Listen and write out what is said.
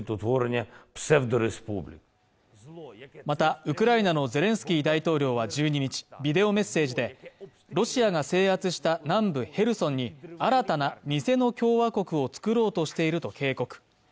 また、ウクライナのゼレンスキー大統領は１２日、ビデオメッセージで、ロシアが制圧した南部ヘルソンに新たな偽の共和国を作ろうとしていると警告。